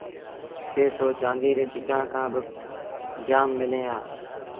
ٽي سئو چآنديٚ ري سِڪآݩ کآݩ با جآم ملينٚ هآ